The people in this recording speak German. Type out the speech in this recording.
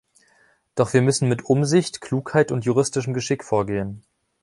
Doch wir müssen mit Umsicht, Klugheit und juristischem Geschick vorgehen.